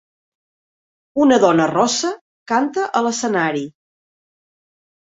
Una dona rossa canta a l'escenari.